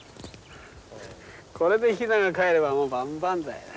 これでヒナがかえればもう万々歳だ。